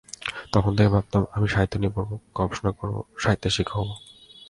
তখন থেকেই ভাবতাম, আমি সাহিত্য নিয়ে পড়ব, গবেষণা করব, সাহিত্যের শিক্ষক হব।